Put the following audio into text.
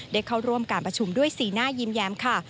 เข้าร่วมการประชุมด้วยสีหน้ายิ้มแย้มค่ะ